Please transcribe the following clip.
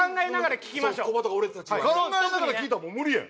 考えながら聴いたらもう無理や。